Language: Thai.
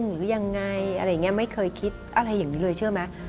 หรือยังไงอะไรอย่างนี้ไม่เคยคิดอะไรอย่างนี้เลยเชื่อไหม